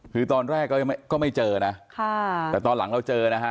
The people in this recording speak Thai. คือตอนแรกก็ไม่เจอนะค่ะแต่ตอนหลังเราเจอนะฮะ